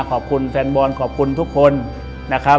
ขอบคุณแฟนบอลขอบคุณทุกคนนะครับ